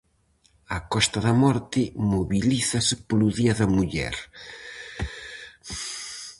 A Costa da Morte mobilízase polo día da muller.